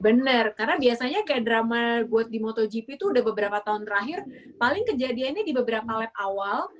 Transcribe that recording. bener karena biasanya kayak drama buat di motogp itu udah beberapa tahun terakhir paling kejadiannya di beberapa lab awal